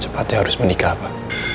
cepatnya harus menikah pak